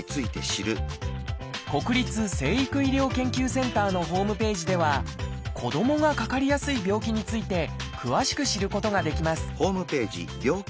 国立成育医療研究センターのホームページでは子どもがかかりやすい病気について詳しく知ることができます